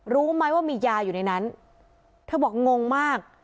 รู้ไหมว่ามียาอยู่ในนั้นเธอบอกงงมาก